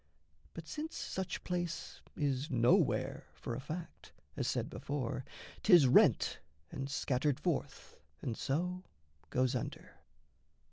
But since such place is nowhere, for a fact, As said before, 'tis rent and scattered forth, And so goes under.